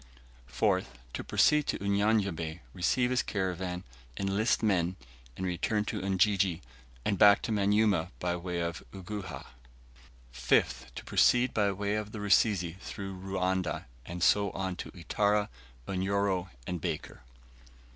4th. To proceed to Unyanyembe, receive his caravan, enlist men, and return to Ujiji, and back to Manyuema by way of Uguhha. 5th. To proceed by way of the Rusizi through Ruanda, and so on to Itara, Unyoro, and Baker.